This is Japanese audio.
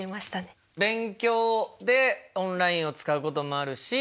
勉強でオンラインを使うこともあるし